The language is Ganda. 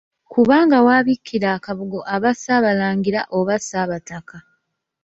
Kubanga w'abikkira akabugo aba Ssaabalangira oba Ssaabataka.